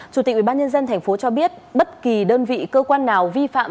chủ tịch ubnd thành phố cho biết bất kỳ đơn vị cơ quan nào vi phạm